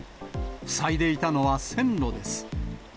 塞いでいたのは線路です。